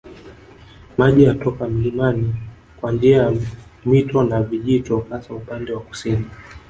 Maji yatoka mlimani kwa njia ya mito na vijito hasa upande wa kusini